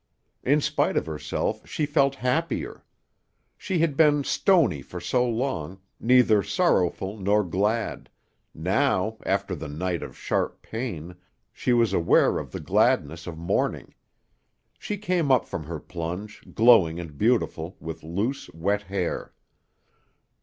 In spite of herself she felt happier. She had been stony for so long, neither sorrowful nor glad; now, after the night of sharp pain, she was aware of the gladness of morning. She came up from her plunge, glowing and beautiful, with loose, wet hair.